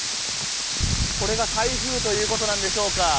これが台風ということなんでしょうか。